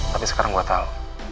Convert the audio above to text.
tapi sekarang gue tau